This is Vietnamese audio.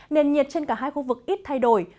nền nhiệt trên cả hai khu vực ít thay đổi